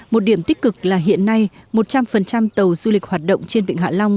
một điểm tích cực là hiện nay một trăm linh tàu du lịch hoạt động trên vịnh hạ long